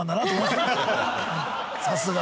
さすが。